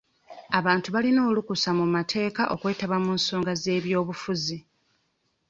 Abantu balina olukusa mu mateeka okwetaba mu nsonga z'ebyobufuzi.